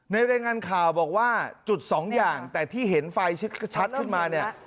รายงานข่าวบอกว่าจุดสองอย่างแต่ที่เห็นไฟชัดขึ้นมาเนี่ย